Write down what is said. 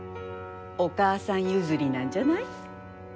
お母さん譲りなんじゃない？